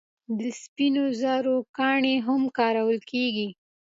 د سپینو زرو ګاڼې هم کارول کیږي.